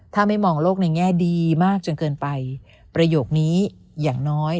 ถ้าไม่มองโลกในแง่ดีมากจนเกินไปประโยคนี้อย่างน้อย